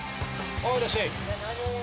いらっしゃい。